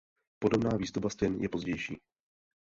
Podobná výzdoba stěn je pozdější.